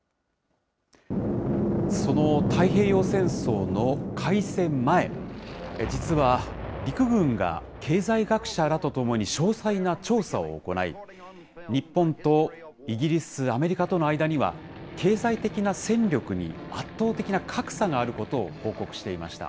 その太平洋戦争の開戦前、実は、陸軍が経済学者らと共に詳細な調査を行い、日本とイギリス、アメリカとの間には、経済的な戦力に圧倒的な格差があることを報告していました。